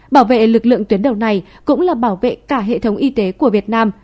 bảo vệ lực lượng tuyến đầu này cũng là bảo vệ cả hệ thống y tế của việt nam